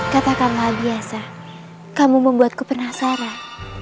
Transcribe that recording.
katakanlah biasa kamu membuatku penasaran